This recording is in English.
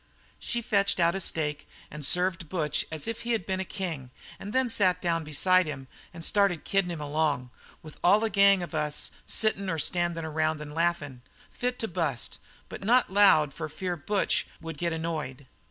"She fetched out a steak and served Butch as if he'd been a king and then sat down beside him and started kiddin' him along, with all the gang of us sittin' or standin' around and laughin' fit to bust, but not loud for fear Butch would get annoyed.